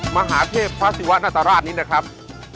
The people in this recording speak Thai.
มหาเทพภาษีวะนัตรราชนี้นะครับ